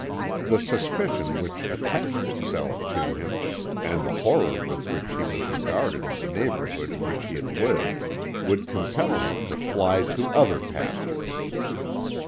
The suspicion which attached itself to him, and the horror with which he was regarded in the neighbourhood in which he had lived, would compel him to fly to other pastures.